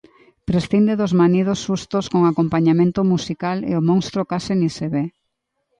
Prescinde dos manidos sustos con acompañamento musical e o monstro case nin se ve.